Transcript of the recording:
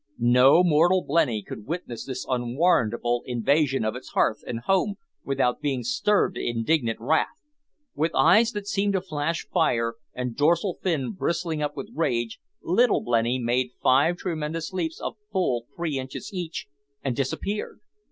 No mortal blenny could witness this unwarrantable invasion of its hearth and home without being stirred to indignant wrath. With eyes that seemed to flash fire, and dorsal fin bristling up with rage, Little Blenny made five tremendous leaps of full three inches each, and disappeared.